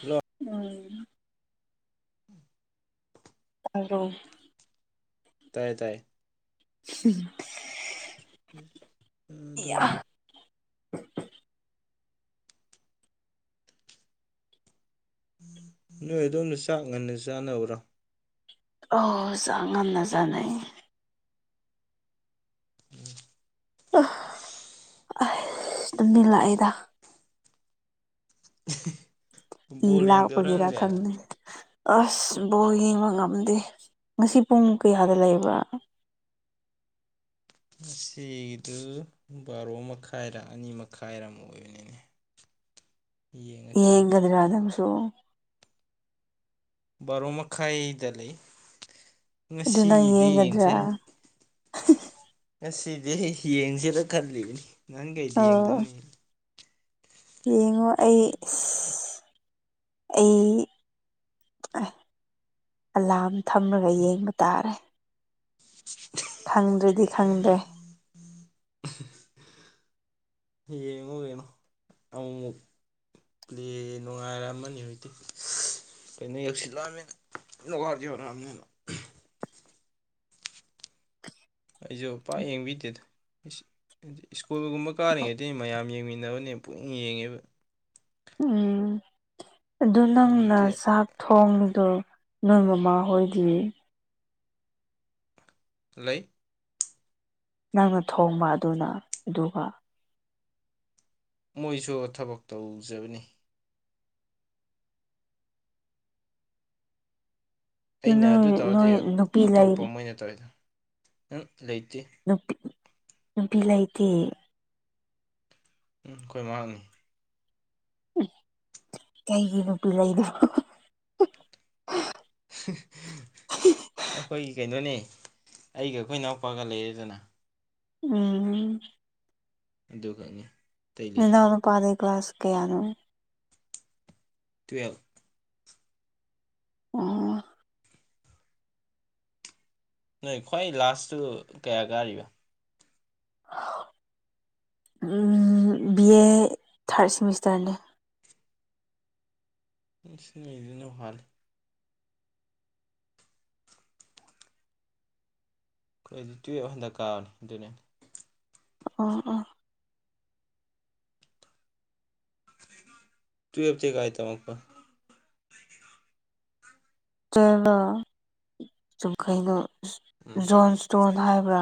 hello ꯎꯝ hello ꯇꯥꯏꯌꯦ ꯇꯥꯏꯌꯦ ꯍꯨꯝ ꯥꯑꯗꯣ ꯌꯥ ꯅꯣꯏ ꯑꯗꯣꯝꯗ ꯆꯥꯛ ꯉꯟꯅ ꯆꯥꯅꯕ꯭ꯔꯥ ꯑꯣ ꯆꯥꯛ ꯉꯟꯅ ꯆꯥꯅꯩ ꯑ ꯑꯁ ꯇꯨꯝꯅꯤꯡꯂꯛꯏꯗ ꯕꯣꯜ ꯏꯂꯥ ꯌꯦꯡꯗꯕ꯭ꯔꯥ ꯄꯒꯤꯔꯥ ꯅꯪꯗꯤ ꯈꯪꯗꯦ ꯑꯁ ꯕꯣꯜ ꯌꯦꯡꯕ ꯉꯝꯗꯦ ꯉꯁꯤ ꯄꯨꯡ ꯀꯌꯥꯗ ꯂꯩꯕ꯭ꯔꯥ ꯉꯁꯤꯗꯨ ꯕꯥꯔꯣ ꯃꯈꯥꯏꯔ ꯑꯅꯤ ꯃꯈꯥꯏꯔ ꯑꯝ ꯑꯣꯏꯕꯅꯤꯅꯦ ꯌꯦꯡꯉꯛꯀꯦ ꯑꯝꯇ ꯌꯦꯡꯒꯗꯔꯥ ꯅꯪꯁꯨ ꯕꯥꯔꯣ ꯃꯈꯥꯏꯗ ꯂꯩ ꯑꯗꯨꯅ ꯉꯁꯤꯗꯤ ꯌꯦꯡ ꯉꯗ꯭ꯔꯥ ꯌꯦꯡꯁꯤꯔ ꯉꯁꯤꯗꯤ ꯌꯦꯡꯁꯤꯔ ꯈꯜꯂꯤꯕꯅꯤ ꯅꯍꯥꯟ ꯀꯩꯗꯤ ꯑꯣ ꯌꯦꯡꯗꯝꯅꯤ ꯌꯦꯡꯉꯣ ꯑꯩ ꯏꯁ ꯑꯩ ꯑꯦ ꯑꯂꯥꯝ ꯊꯝꯂꯒ ꯌꯦꯡꯕ ꯇꯥꯔꯦ ꯈꯪꯗ꯭ꯔꯦꯗꯤ ꯈꯪꯗ꯭ꯔꯦ [unintelligible] ꯌꯦꯉꯨ ꯌꯦꯡꯉꯣ ꯑꯃꯨ ꯃꯨꯛ ꯞꯂꯦ ꯅꯨꯡꯉꯥꯏꯔꯝꯃꯅꯤ ꯍꯧꯛꯇꯤ ꯀꯩꯅꯣ ꯌꯦꯛꯁꯤꯜꯂꯛꯑꯅꯤꯅ ꯀꯩꯅꯣ ꯋꯥꯔꯖꯂꯛꯑꯕꯅꯤꯅ ꯑꯩꯁꯨ ꯄꯥꯛ ꯌꯦꯡꯕꯤꯗꯦꯗ ꯁ꯭ꯀꯨꯜꯒꯨꯝꯕ ꯀꯥꯔꯤꯉꯩꯗꯤꯅꯤ ꯃꯌꯥꯝ ꯌꯦꯡꯃꯤꯟ ꯅꯕꯅꯦ ꯄꯨꯛꯌꯦꯡ ꯌꯦꯡꯉꯦꯕ ꯎꯝ ꯑꯗꯨꯅꯪꯅ ꯍꯧꯖꯤꯛꯇꯤ ꯁꯥ ꯊꯣꯡꯕꯗꯣ ꯅꯣꯏ ꯃꯃꯥ ꯍꯣꯏꯗꯤ ꯂꯩ ꯅꯪꯅ ꯊꯣꯡꯕ ꯑꯗꯨꯅ ꯑꯗꯨꯒ ꯃꯣꯏꯁꯨ ꯊꯕꯛ ꯇꯧꯖꯕꯅꯤ ꯑꯩꯅ ꯑꯗꯨ ꯅꯣꯏ ꯇꯧꯔꯗꯤ ꯅꯣꯏ ꯅꯨꯄꯤ ꯂꯩ ꯑꯇꯣꯞꯄ ꯃꯣꯏꯅ ꯇꯣꯏꯗꯣ ꯎ ꯂꯩꯇꯦ ꯅꯨꯄꯤ ꯅꯨꯄꯤ ꯂꯩꯇꯤ ꯎꯝ ꯑꯩꯈꯣꯏ ꯃꯥꯥ ꯍꯪꯅꯤ ꯀꯩꯒꯤ ꯅꯨꯄꯤ ꯂꯩꯗꯔꯣ ꯑꯈꯣꯏꯒꯤ ꯀꯩꯅꯣꯅꯦ ꯑꯩꯒ ꯈꯣꯏ ꯏꯅꯥꯎꯄꯥꯒ ꯂꯩꯔꯦꯗꯅ ꯎꯝ ꯑꯗꯨ ꯒꯛꯅꯤ ꯅꯅꯥꯎ ꯅꯨꯄꯥꯗꯤ ꯀ꯭ꯂꯥꯁꯥ ꯀꯌꯥꯅꯣ ꯇ꯭ꯨꯋꯦꯜꯞ ꯎ ꯅꯣꯏ ꯈ꯭ꯋꯥꯏ ꯂꯥꯁꯇꯨ ꯀꯌꯥ ꯀꯥꯔꯤꯕ [unintelligible] ꯕꯤꯑꯦ ꯊꯥ꯭ꯔꯗ ꯁꯤꯃꯤꯁꯇ꯭ꯔꯅꯦ ꯏꯁꯤꯡꯅꯤ ꯏꯗꯨꯅ ꯍꯜ ꯑꯩꯈꯣꯏꯗꯤ ꯇ꯭ꯋ‌ꯦꯞ ꯍꯟꯗꯛ ꯀꯥꯕꯅꯤ ꯑꯗꯨꯅꯦ ꯑ ꯑ ꯇ꯭ꯋ‌ꯦꯜꯞ ꯇꯤ ꯒꯥꯏ ꯇꯝꯃꯛꯄ ꯇ꯭ꯋ‌ꯦꯜꯞ ꯂ‌ꯣ ꯎꯝ ꯖꯣꯟꯁ ꯇꯣꯟꯅ ꯍꯥꯏꯕ꯭ꯔꯥ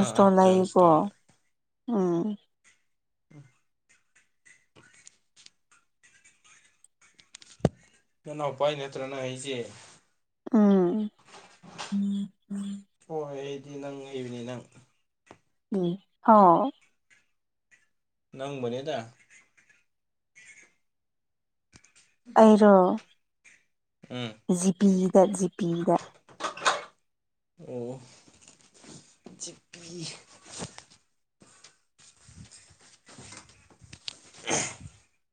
ꯑꯥ ꯑꯥ ꯂꯩꯀꯣ ꯖꯣꯟꯁꯇꯣꯟꯗ ꯎꯝ ꯎꯝ ꯅꯅꯥꯎꯄꯥꯥꯏ ꯅꯠꯇ꯭ꯔ ꯅꯪ ꯑꯩꯁꯦ ꯎꯝ ꯗꯤ ꯅꯪ ꯍꯥꯏꯕꯅꯦ ꯅꯪ ꯎꯝ ꯍꯥꯎ ꯅꯪꯕꯨꯅꯤꯗ ꯑꯩꯔꯣ ꯎꯝ ꯖꯤꯄꯤꯗ ꯖꯤꯄꯤꯗ ꯑꯣ ꯖꯤꯞꯄꯤ [inaudible]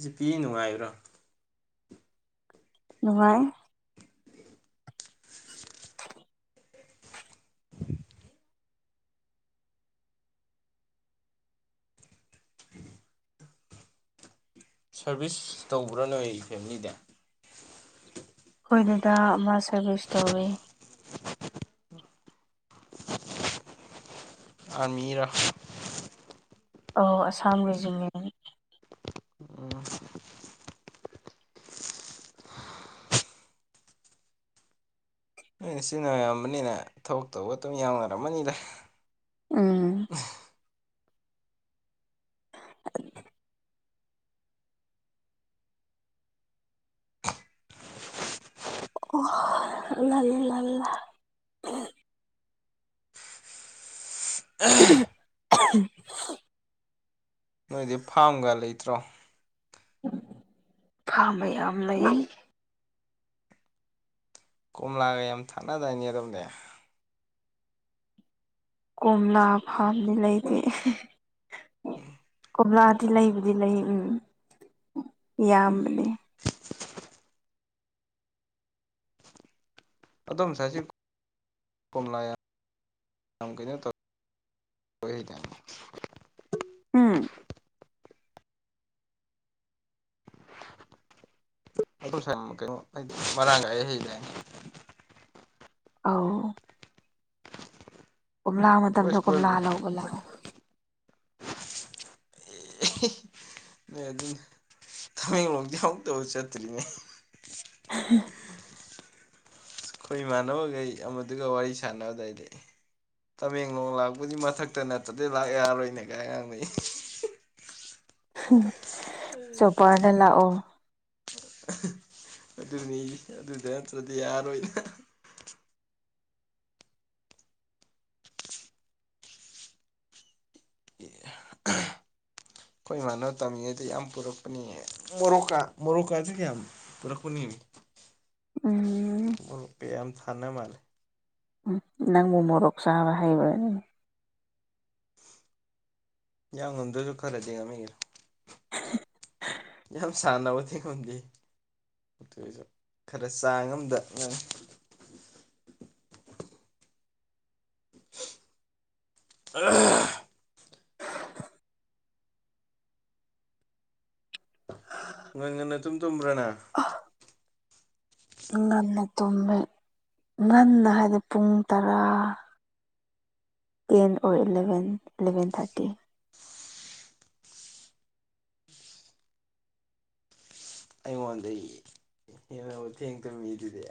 ꯖꯤ ꯄꯤ ꯅꯨꯡꯉꯥꯏ꯭ꯔꯣ ꯅꯨꯡꯉꯥꯏ ꯁꯥ꯭ꯔꯚꯤꯁ ꯇꯧꯕ꯭ꯔꯥ ꯅꯣꯏ ꯐꯦꯃꯤꯂꯤꯗ ꯍꯣꯏꯗꯗꯥ ꯑꯃꯥ ꯁꯥ꯭ꯔꯕꯤꯁ ꯇꯧꯋꯦ ꯑꯥ꯭ꯔꯃꯤꯔ ꯑ ꯑꯁꯥꯝ ꯔ‌ꯦꯖꯤꯃ‌ꯦꯟ ꯅꯣꯏꯅ ꯁꯤꯖꯤꯟꯅꯔꯝꯕꯅꯤꯅ ꯊꯕꯛ ꯇꯧꯕ ꯑꯗꯨꯝ ꯌꯥꯎꯅꯔꯝꯃꯅꯤꯗ ꯎꯝ ꯑꯣ ꯂꯥꯂꯥ ꯂꯥ ꯑ [unintelligible] ꯅꯣꯏꯗꯤ ꯐꯥꯝꯒ ꯂꯩꯇ꯭ꯔꯣ ꯐꯥꯝꯕ ꯌꯥꯝ ꯂꯩ ꯀ‌ꯣꯝꯂꯒ ꯌꯥꯝ ꯊꯥꯅꯥ ꯗꯥꯏꯅꯤ ꯑꯗꯨꯝꯗꯤ ꯀꯣꯝꯂ ꯐꯥꯝꯗꯤ ꯂꯩꯇꯦ ꯀꯣꯝꯂꯥꯗꯤ ꯂꯩꯕꯨꯗꯤ ꯂꯩ ꯎꯝ ꯌꯥꯝꯕꯅꯦ ꯑꯗꯣꯝꯁꯥꯏꯁꯤ ꯀꯣꯝꯂꯥ ꯌꯥꯝ ꯀꯩꯅꯣ ꯇꯧ ꯑꯣꯏꯗꯅ ꯎꯝ ꯑꯗꯨ ꯁꯝ ꯃꯔꯥꯡ ꯀꯥꯏ ꯍꯥꯏ ꯑꯧ ꯀꯣꯝꯂꯥ ꯑꯩꯈꯣꯏ ꯃꯇꯝꯗ ꯁ꯭ꯀꯨꯜ ꯀꯣꯝꯂꯥ ꯂꯧꯕ ꯂꯥꯛꯑꯣ ꯑꯦ ꯍ‌ꯦ ꯅ‌ꯣꯏ ꯑꯗꯨ ꯇꯃꯦꯡꯂꯣꯡꯗꯤ ꯑꯃꯨꯛꯇꯕꯨ ꯆꯠꯇ꯭ꯔꯤꯅꯦ ꯑꯩꯈꯣꯏ ꯏꯃꯥꯟꯅꯕꯈꯩ ꯑꯃꯗꯨꯒ ꯋꯥꯔꯤ ꯁꯥꯟꯅꯕꯗꯥꯏꯗꯤ ꯇꯃꯦꯡꯂꯣꯡ ꯂꯥꯛꯄꯗꯤ ꯃꯊꯛꯇ ꯅꯠꯇꯗꯤ ꯂꯥꯛ ꯌꯥꯔꯣꯏꯅꯦ ꯀꯥꯏ ꯑꯉꯥꯡꯅꯩ ꯆꯣꯄ꯭ꯔꯗ ꯂꯥꯛꯑꯣ ꯑꯗꯨꯅꯤ ꯑꯗꯨꯗ ꯅꯠꯇ꯭ꯔꯗꯤ ꯌꯥꯔꯣꯏꯗ ꯑꯩꯈꯣꯏ ꯏꯃꯥꯟꯅꯕ ꯇꯝꯃꯤꯉꯩꯗ ꯌꯥꯝ ꯄꯨꯔꯛꯄꯅꯤ ꯃꯣꯔꯣꯛꯀꯥ ꯃꯣꯔꯣꯛꯀꯥꯥꯁꯨ ꯌꯥꯝ ꯄꯨꯔꯛꯄꯅꯦ ꯎꯝ ꯃ‌ꯣꯔ‌ꯣꯛꯀ ꯌꯥꯝꯝ ꯊꯥꯟꯅ ꯃꯥꯜꯂꯦ ꯅꯪꯕꯨ ꯃꯣꯔꯣꯛ ꯆꯥꯕ ꯍꯩꯕ꯭ꯔꯥꯅꯦ ꯌꯥꯝ ꯉꯝꯗꯁꯨ ꯈꯔꯗꯤ ꯉꯝꯃꯤꯅ ꯌꯥꯝ ꯁꯥꯟꯅꯕ ꯊꯦꯡꯉꯣꯟꯗꯦ ꯑꯗꯨꯁꯨ ꯈꯔ ꯆꯥꯡ ꯑꯃꯗ ꯉꯝꯃꯤ [unintelligible] ꯉꯟ ꯉꯟꯅ ꯇꯨꯝ ꯇꯨꯝꯕ꯭ꯔꯅ ꯉꯟꯅ ꯇꯨꯝꯃꯦ ꯉꯗ ꯍꯥꯏꯗꯤ ꯄꯨꯡ ꯇꯔꯥ ꯇꯦꯟ ꯑꯣ ꯏꯂꯚꯦꯟ ꯑꯦꯂꯚꯦꯟ ꯊꯥꯔꯇꯤ ꯑꯩꯉꯣꯟꯗ ꯍꯦꯟꯅ ꯊꯦꯡ ꯇꯝꯃꯤꯗꯨꯗꯤ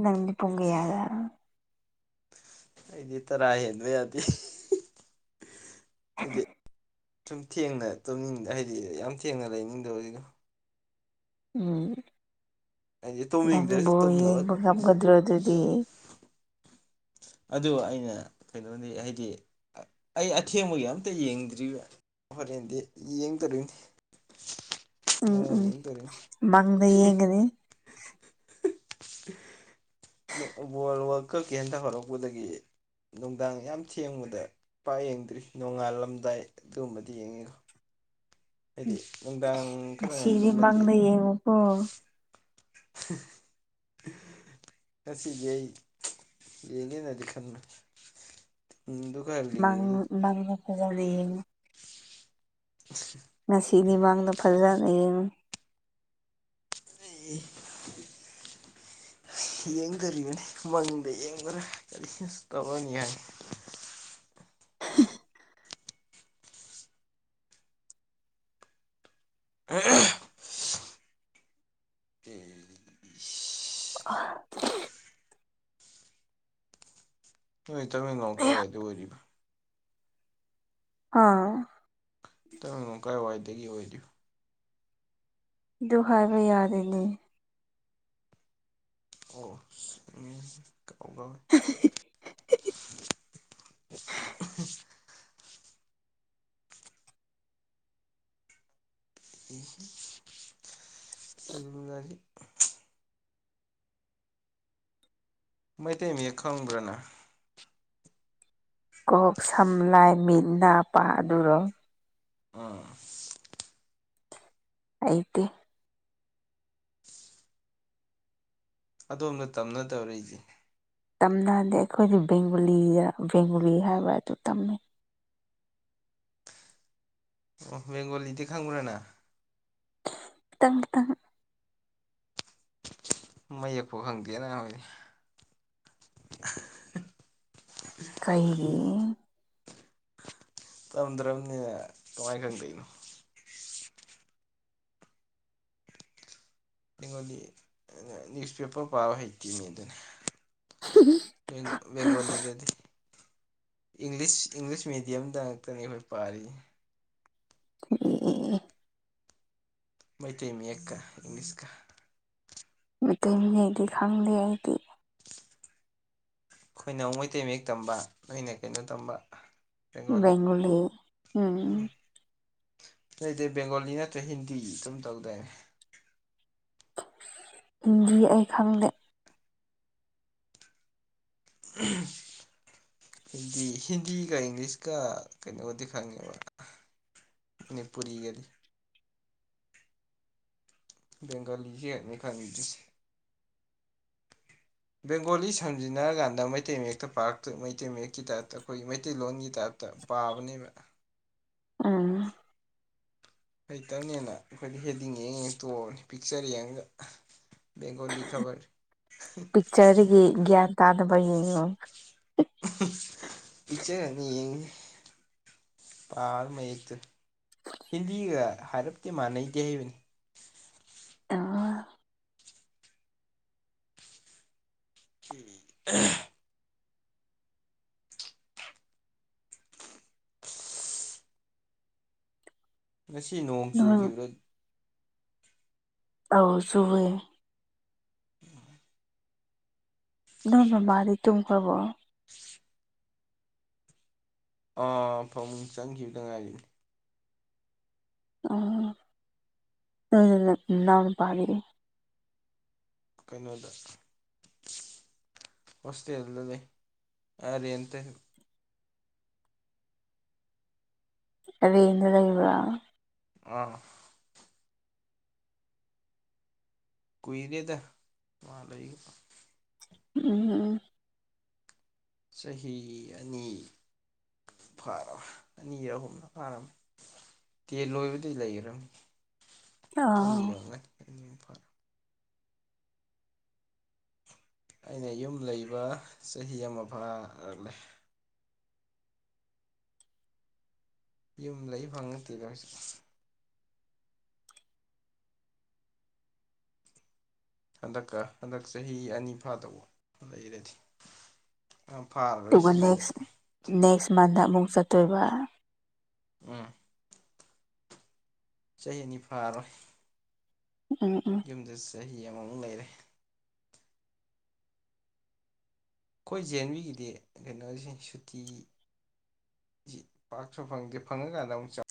ꯉꯗꯤ ꯄꯣꯒꯌꯥꯗ ꯑꯩꯗꯤ ꯇꯔꯥ ꯍꯦꯟꯕ ꯌꯥꯗꯦ ꯑꯩꯗꯤ ꯍꯍ ꯁꯨꯝ ꯊꯦꯡꯅ ꯇꯨꯝꯅꯤꯡꯗ ꯍꯥꯏꯗꯤ ꯌꯥꯝ ꯊꯦꯡꯅ ꯂꯩꯅꯤꯡꯗꯕꯖꯤꯒꯣ ꯍꯥꯏꯗꯤ ꯎꯝ ꯇꯨꯝꯅꯤꯡꯗ꯭ꯔꯁꯨ ꯇꯨꯝꯅꯕ ꯕꯕꯨꯒꯞ ꯀꯗ꯭ꯔꯣꯗꯨꯗꯤ ꯑꯗꯨ ꯑꯩꯅ ꯀꯩꯅꯣꯗꯤ ꯍꯥꯏꯗꯤ ꯑꯩ ꯑꯊꯦꯡꯕꯒꯤ ꯑꯝꯇ ꯌꯦꯡꯗ꯭ꯔꯤꯕ ꯍꯣꯔꯦꯟꯗꯤ ꯌꯦꯡꯗꯔꯤꯅꯤ ꯎꯝ ꯎꯝ ꯃꯥꯡꯗ ꯌꯦꯡꯒꯅꯦ ꯋꯥ ꯋꯥꯔ ꯀꯛꯀꯤ ꯍꯟꯇ ꯍꯧꯔꯛꯄꯗꯒꯤ ꯅꯨꯡꯗꯥꯡ ꯌꯥꯝ ꯊꯦꯡꯕꯗ ꯏꯄꯥ ꯌꯦꯡꯗ꯭ꯔꯤ ꯅꯣꯡꯉꯥꯜꯂꯝꯗꯥꯏ ꯑꯗꯨꯒꯨꯝꯕꯗꯤ ꯌꯦꯡꯉꯤꯀꯣ ꯑꯗꯨꯗꯤ ꯁꯤꯗꯤꯃ ꯂꯩꯌꯦꯉꯀꯣ ꯍ [unintelligible] [inaudible] ꯉꯁꯤꯁꯤ ꯌꯦꯒꯦꯅꯗꯤ ꯈꯟꯕꯅꯤ ꯎꯝ ꯑꯗꯨ ꯈꯔ ꯂꯤꯡꯕꯗꯨꯗꯤ ꯃꯥꯡꯂꯤ ꯐꯖ ꯂꯩꯌꯦ [inaudible] ꯉꯁꯤꯗꯤ ꯃꯥꯡꯗ ꯐꯖꯅ ꯌꯦꯡꯉ [inaudible] [inaudible] ꯌꯦꯡꯗꯔꯤꯕꯅꯤ ꯃꯪꯗ ꯌꯦꯡꯕ꯭ꯔꯥ ꯀꯔꯤꯅ ꯇꯧꯔꯅꯤ ꯍꯥꯏ ꯑ [unintelligible] ꯇꯃꯦꯡꯂꯣꯡ ꯀꯥꯏ ꯋꯥꯏꯗ ꯑꯣꯏꯔꯤꯕ ꯑꯥ ꯇꯅꯣ ꯀꯥꯏꯋꯥꯏꯗꯒꯤ ꯑꯣꯏꯔꯤꯣ ꯗꯨ ꯍꯥꯢꯕ ꯌꯥꯗꯦ [inaudible] [inaudible] [inaudible] ꯃꯩꯇꯩ ꯃꯌꯦꯛ ꯈꯪꯕ꯭ꯔꯅ ꯀꯣꯛ ꯁꯝꯂꯥꯏ ꯃꯤꯠ ꯅꯥ ꯄꯥ ꯑꯗꯨꯔꯣ ꯑꯥ ꯍꯩꯇꯦ ꯑꯗꯣꯝꯗ ꯇꯝꯅ ꯇꯧꯔꯛꯏꯁꯦ ꯇꯝꯅ ꯍꯥꯏꯗꯤ ꯑꯩꯈꯣꯏꯗꯤ ꯕꯦꯡꯒꯣꯂꯤꯗ ꯕꯦꯡꯒꯣꯂꯤ ꯍꯥꯏꯕ ꯑꯗꯨ ꯇꯝꯃꯦ ꯑꯣ ꯕꯦꯡꯒꯂꯤꯗꯤ ꯈꯪꯕ꯭ꯔꯥꯅꯅꯥ ꯈꯤꯇꯪ ꯈꯤꯇꯪ ꯃꯌꯦꯛꯄ ꯐꯪꯗꯦꯅ ꯈꯣꯢꯗꯤ ꯀꯩ ꯇꯝꯗ꯭ꯔꯕꯅꯤ ꯇꯉꯥꯏ ꯈꯪꯗꯩꯅꯣ ꯒꯣꯂꯤ ꯅ꯭ꯌꯨꯁꯄꯦꯄꯔ ꯄꯥꯕ ꯍꯩꯇꯤꯅꯤ ꯑꯗꯨꯅ ꯕꯦꯡ ꯕꯦꯡꯒꯣꯂꯤꯗꯗꯤ ꯁ ꯏꯪꯂꯤꯁ ꯃꯦꯗꯤꯌꯝꯗ ꯉꯥꯛꯛꯇꯅꯤ ꯑꯩꯈꯣꯏ ꯄꯥꯔꯤ ꯑꯣꯝ ꯃꯩꯇꯩ ꯃꯌꯦꯛꯀꯥ ꯏꯪꯂꯤꯁꯀꯥ ꯃꯩꯇꯩꯅꯤ ꯑꯩꯗꯤ ꯈꯪꯗꯦ ꯑꯩꯗꯤ ꯑꯩꯈꯣꯏꯅ ꯃꯩꯇꯩ ꯃꯌꯦꯛ ꯇꯝꯕ ꯅꯣꯏꯅ ꯀꯩꯅꯣ ꯇꯝꯕ ꯕꯦꯡꯒꯣꯂꯤ ꯎꯝ ꯅꫭꯏꯗꯤ ꯕꯦꯡꯒꯣꯂꯤ ꯅꯠꯇ꯭ꯔ ꯍꯤꯟꯗꯤ ꯑꯗꯨꯝ ꯇꯧꯗꯥꯏꯅꯦ ꯍꯤꯟꯗꯤ ꯑꯩ ꯈꯪꯗꯦ ꯑ ꯍꯤꯟꯗꯤ ꯍꯤꯟꯗꯤꯒ ꯏꯪꯂꯤꯁꯀ ꯀꯩꯅꯣꯒꯗꯤ ꯈꯪꯉꯦꯕ ꯃꯤꯅꯤꯄꯨꯔꯤ ꯒꯗꯤ ꯕꯦꯡꯒꫭꯂꯤꯁꯨ ꯑꯦꯅꯤ ꯈꯅꯤꯡꯗꯤꯁ ꯕꯦꯡꯒꯣꯂꯤ ꯁꯝꯖꯤꯟꯅꯔꯀꯥꯟꯗ ꯃꯩꯇꯩ ꯃꯌꯦꯛꯇ ꯄꯥꯔꯛꯇ ꯃꯩꯇꯩ ꯃꯌꯦꯛꯀꯤ ꯇꯥꯏꯞꯇ ꯑꯩꯈꯣꯏꯒꯤ ꯃꯩꯇꯩꯂꯣꯟꯒꯤ ꯇꯥꯏꯞ ꯇ ꯄꯥꯕꯅꯤ ꯎꯝ ꯍꯩꯇꯕꯅꯦꯅ ꯑꯩꯈꯣꯏꯗ ꯍꯦꯗꯤꯡꯉꯡꯉꯦ ꯇꯣꯅꯤ ꯄꯤꯛꯆꯔ ꯌꯦꯡꯉꯒ ꯕꯦꯡꯒꯣꯂꯤ ꯈꯕꯔ ꯄꯤꯛꯆꯔꯗꯒꯤ ꯒ꯭ꯌꯥꯟ ꯇꯥꯅꯕ ꯌꯦꯡꯉꯨ ꯄꯤꯛꯆꯔꯅꯤ ꯄꯥꯔ ꯃꯩꯇꯩ ꯍꯤꯟꯗꯤꯒ ꯍꯥꯏꯔꯞꯇꯤ ꯃꯥꯟꯅꯩꯗꯤ ꯍꯩꯕꯅꯤ ꯑ ꯀ ꯉꯁꯤ ꯅꯣꯡ ꯅꯣꯏ ꯆꯨꯈꯤꯕ꯭ꯔꯥ ꯑꯧ ꯁꯍꯦ ꯅꯣꯏ ꯃꯃꯥꯗꯤ ꯇꯨꯝꯒꯔꯕꯣ ꯑꯥ ꯐꯃꯨꯡ ꯆꯪꯈꯤꯕꯗ ꯉꯥꯏꯔꯤꯅꯤ ꯑꯣ ꯎꯅ ꯄꯔ ꯀꯩꯅꯣꯗ ꯑꯥ ꯀꯩꯅꫭꯗꯥ ꯑꯥ ꯔꯤꯠ ꯇ ꯂꯩ ‍ꯔꯦꯇꯥ ꯂꯩꯕ ꯑꯥ ꯀꯨꯏꯔꯦꯗ ꯃꯥ ꯂꯩꯒ ꯎꯝ ꯆꯍꯤ ꯑꯅꯤ ꯐꯥꯔꯝ ꯑꯅꯤ ꯑꯍꯨꯝꯅ ꯐꯥꯔꯝꯃꯤ ꯇꯦꯟ ꯂꯣꯏꯕꯗꯤ ꯂꯩꯈ꯭ꯔꯅꯤ ꯑꯅꯤ ꯑꯥ ꯌꯧꯅ ꯑꯩꯅ ꯌꯨꯝ ꯂꯩꯕ ꯆꯍꯤ ꯑꯃ ꯐꯥꯔꯛꯂꯦ ꯌꯨꯝ ꯂꯩ ꯐꯪ ꯅꯠꯇꯦꯗꯔꯁꯤ ꯍꯟꯗꯛꯀ ꯍꯟꯗꯛ ꯆꯍꯤ ꯑꯅꯤ ꯐꯥꯗꯧꯕꯗꯔꯗꯤ ꯐꯥꯔꯔꯣꯏ ꯁꯤꯁꯨ ꯑꯃꯨꯛ ꯑꯃꯗ ꯑꯃꯨꯛ ꯆꯠꯇꯣꯏꯕ ꯎꯝ ꯆꯍꯤꯅꯤ ꯐꯥꯔꯣꯏ ꯎꯝ ꯎꯝ ꯌꯨꯝꯗ ꯆꯍꯤ ꯑꯃꯃꯨꯛ ꯂꯩꯔꯦ ꯑꯩꯈꯣꯏ ꯖ ꯑꯦꯟꯕꯤꯒꯤꯗꯤ ꯀꯩꯅꯣꯁ ꯁꯨꯇꯤ ꯄꯥꯛꯁꯨ ꯐꯪꯒꯦ ꯐꯪꯉꯀꯥꯟꯗ ꯑꯃꯨꯛ ꯆꯪ